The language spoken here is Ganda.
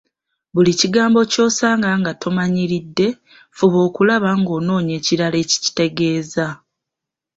Buli kigambo ky’osanga nga tomanyiridde, fuba okulaba ng’onoonya ekirala ekikitegeeza.